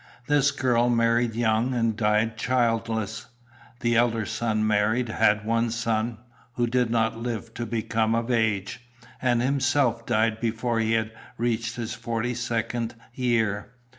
This girl married young and died childless. The elder son married, had one son, who did not live to become of age, and himself died before he had reached his forty second year.